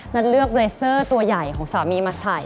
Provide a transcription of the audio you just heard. นัดเลือกเลเซอร์ตัวใหญ่ของสามีมาใส่